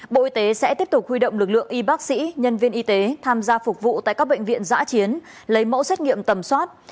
bộ y tế sẽ tiếp tục huy động lực lượng y bác sĩ nhân viên y tế tham gia phục vụ tại các bệnh viện giã chiến lấy mẫu xét nghiệm tầm soát